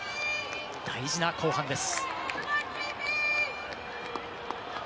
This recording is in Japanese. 大事な後半です。